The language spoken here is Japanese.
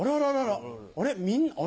あれ？